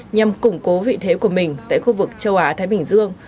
nhằm củng cố vị thế của mình tại khu vực châu á thái bình dương